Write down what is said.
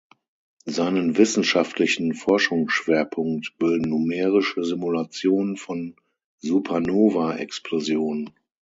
Seinen wissenschaftlichen Forschungsschwerpunkt bilden numerische Simulationen von Supernova-Explosionen.